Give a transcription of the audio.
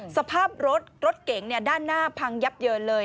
สภาพรถรถเก๋งด้านหน้าพังยับเยินเลย